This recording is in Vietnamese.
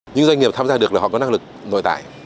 nhưng doanh nghiệp tham gia được là họ có năng lực nội tại